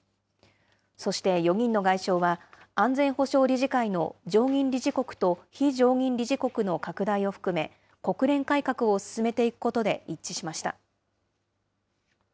そして４人の外相は、安全保障理事会の常任理事国と非常任理事国の拡大を含め、国連改革を進めていくことで一致しました。